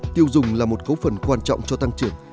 tiêu dùng là một cấu phần quan trọng cho tăng trưởng